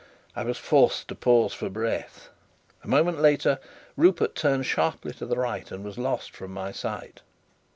I was forced to pause for breath. A moment later, Rupert turned sharply to the right and was lost from my sight.